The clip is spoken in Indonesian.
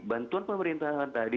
bantuan pemerintahan tadi